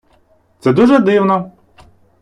Це дуже дивно.